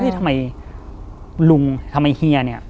ที่ทำไมไงผมใหญ่ที่ทำไม